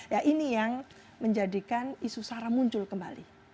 ya ini yang menjadikan isu sara muncul kembali